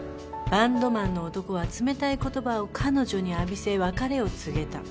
「バンドマンの男は冷たい言葉を彼女に浴びせ別れを告げた」